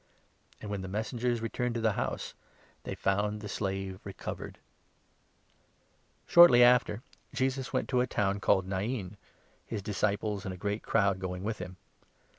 " And, when the messengers returned to the house, they found 10 the slave recovered. Raising of a Shortly after, Jesus went to a town called Nain, n widow's son. his disciples and a great crowd going with him.